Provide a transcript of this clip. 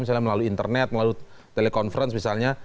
misalnya melalui internet melalui telekonferensi misalnya